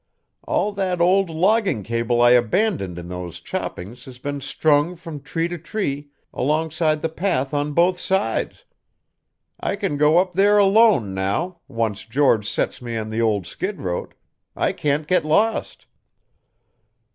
All that old logging cable I abandoned in those choppings has been strung from tree to tree alongside the path on both sides. I can go up there alone now, once George sets me on the old skid road; I can't get lost."